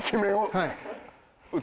はい。